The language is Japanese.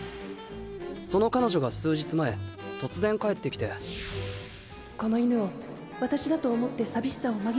その彼女が数日前突然帰ってきて「この犬を私だと思って寂しさを紛らわせてっ。